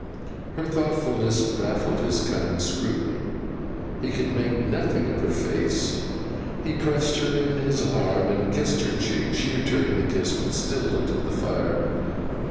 Her thoughtfulness baffled his cunning scrutiny. He could make nothing of her face. He pressed her in his arm, and kissed her cheek. She returned the kiss, but still looked at the fire.